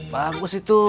wah bagus itu